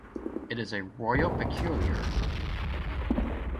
It is a Royal Peculiar.